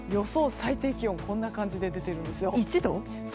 最低気温こんな感じで出ているんですよ。